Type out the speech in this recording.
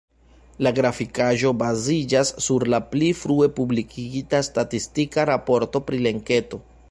La grafikaĵo baziĝas sur la pli frue publikigita statistika raporto pri la enketo.